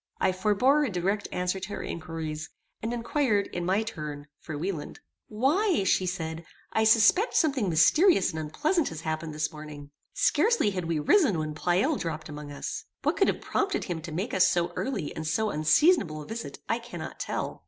I forbore a direct answer to her inquiries, and inquired, in my turn, for Wieland. "Why," said she, "I suspect something mysterious and unpleasant has happened this morning. Scarcely had we risen when Pleyel dropped among us. What could have prompted him to make us so early and so unseasonable a visit I cannot tell.